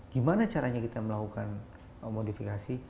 gimana caranya kita melakukan modifikasi